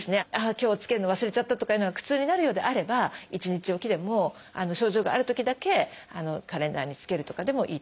今日つけるの忘れちゃったとかいうのが苦痛になるようであれば一日置きでも症状があるときだけカレンダーにつけるとかでもいいと思います。